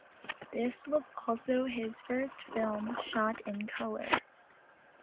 This was also his first film shot in color.